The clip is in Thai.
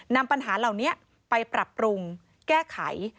นำปัญหาเหล่านี้ไปปรับปรุงแก้ไข